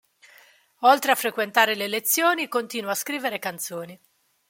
Oltre a frequentare le lezioni, continua a scrivere canzoni.